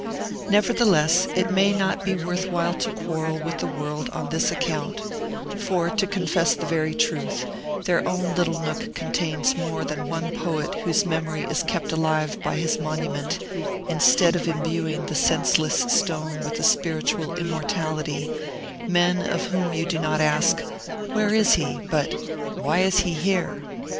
Nevertheless, it may not be worth while to quarrel with the world on this account; for, to confess the very truth, their own little nook contains more than one poet whose memory is kept alive by his monument, instead of imbuing the senseless stone with a spiritual immortality, men of whom you do not ask, "Where is he?" but, "Why is he here?"